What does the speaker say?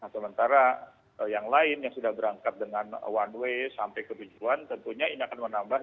sementara yang lain yang sudah berangkat dengan one way sampai ke tujuan tentunya ini akan menambah